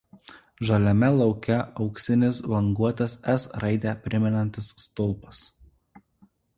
Žaliame lauke auksinis banguotas S raidę primenantis stulpas.